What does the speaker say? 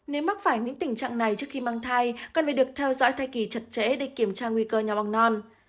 nếu mắc phải những tình trạng này trước khi mang thai cần phải được theo dõi thai kỳ chật chẽ để kiểm tra nguy cơ nho bong non